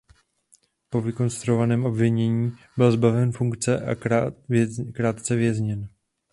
Po vykonstruovaném obvinění byl zbaven funkce a krátce vězněn.